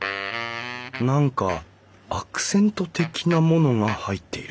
何かアクセント的なものが入っている。